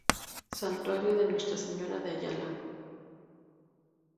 Santuario de Nuestra Señora de Ayala.